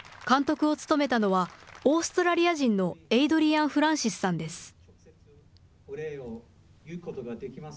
監督を務めたのはオーストラリア人のエイドリアン・フランシスさんです。